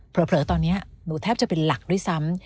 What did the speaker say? เผลอตอนนี้หนูแทบจะเป็นหลักด้วยซ้ำ